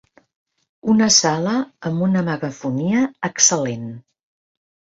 Una sala amb una megafonia excel·lent.